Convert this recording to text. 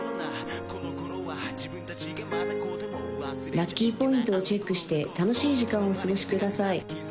ラッキーポイントをチェックして楽しい時間をお過ごしください